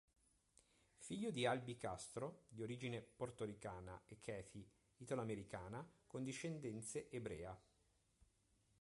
Figlio di Albee Castro, di origine portoricana, e Kathy, italoamericana con discendenze ebrea.